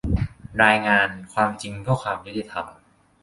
รายงาน "ความจริงเพื่อความยุติธรรม"